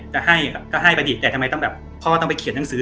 จะให้ก็ให้ประดิษฐ์แต่ทำไมต้องแบบพ่อต้องไปเขียนหนังสือ